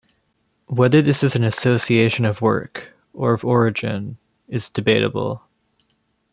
Whether this is an association of work, or of origin, is debatable.